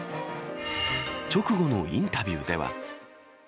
直後のインタビューでは。